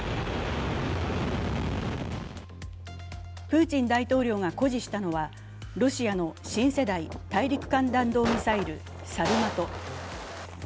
プーチン大統領が誇示したのはロシアの新世代・大陸間弾道ミサイル・サルマト。